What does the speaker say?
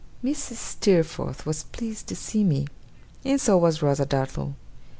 Mrs. Steerforth was pleased to see me, and so was Rosa Dartle.